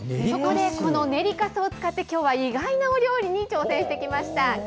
そこでこの練りかすを使って、きょうは意外なお料理に挑戦してきました。